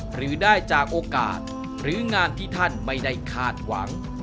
หรือได้จากโอกาสหรืองานที่ท่านไม่ได้คาดหวัง